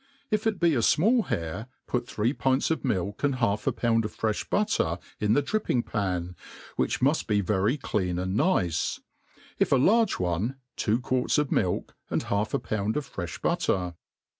If it be a fmall hare, put three pints of milk and half a pound of fre(h butter in the dripping pan, which muft be very clean and nice ; if a large one, two quarts of milk and half a pound of fre(h butter.